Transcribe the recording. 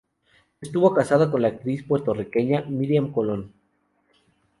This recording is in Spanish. Estuvo casado con la actriz Puertorriqueña Miriam Colón.